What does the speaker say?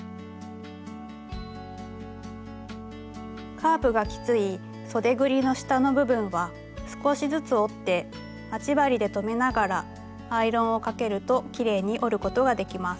カーブがきついそでぐりの下の部分は少しずつ折って待ち針で留めながらアイロンをかけるときれいに折ることができます。